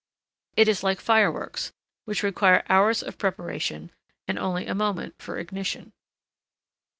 It is like fireworks, which require hours of preparation and only a moment for ignition.